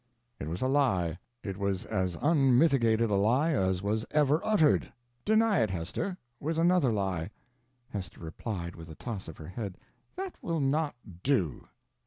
It was a lie. It was as unmitigated a lie as was ever uttered. Deny it, Hester with another lie." Hester replied with a toss of her head. "That will not do.